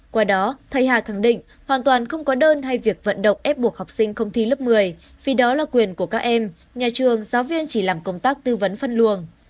qua đó thầy hà khẳng định hoàn toàn không có đơn hay việc vận động ép buộc học sinh không thi lớp một mươi vì đó là quyền của các em nhà trường giáo viên chỉ làm công tác tư vấn phân luồng